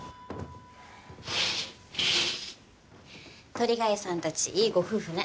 鳥貝さんたちいいご夫婦ね。